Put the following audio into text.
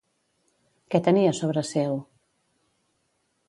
Què tenia sobre seu?